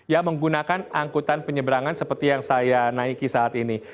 yang menggunakan angkutan penyeberangan seperti yang saya naiki saat ini